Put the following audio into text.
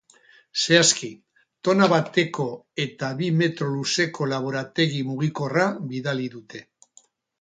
Zehazki, tona bateko eta bi metro luzeko laborategi mugikorra bidali dute.